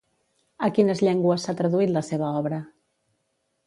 A quines llengües s'ha traduït la seva obra?